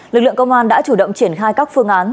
lực lượng công an đã chủ động triển khai các phương án